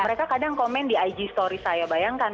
mereka kadang komen di ig story saya bayangkan